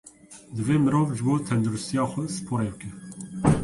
Divê mirov ji bo tenduristiya xwe sporê bike.